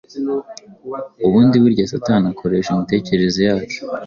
Ubundi buryo Satani akoresha imitekerereze yacu